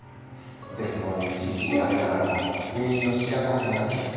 絶望に打ちひしがれながらも原因を調べ始めたティス。